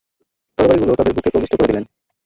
তরবারীগুলো তাদের বুকে প্রবিষ্ট করে দিলেন।